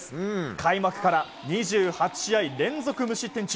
開幕から２８試合連続無失点中。